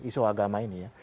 isu agama ini